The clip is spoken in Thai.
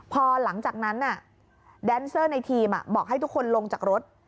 พอหลังจากนั้นแดนเซอร์ในทีมบอกให้ทุกคนลงจากรถ